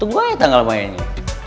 tunggu aja tanggal mainnya